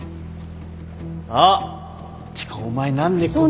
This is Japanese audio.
あっていうかお前何でこの。